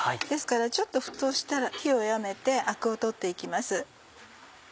ですからちょっと沸騰したら火を弱めてアクを取って行きます。